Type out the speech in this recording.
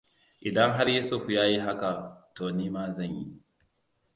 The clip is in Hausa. Idan har Yusuf ya yi haka, to nima zan yi.